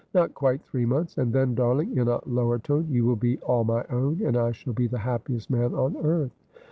' Not quite three months ; and then, darling,' in a lower tone, ' you will be all my own, and I shall be the happiest man on earth.'